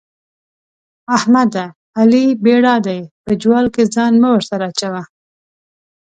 احمده؛ علي بېړا دی - په جوال کې ځان مه ورسره اچوه.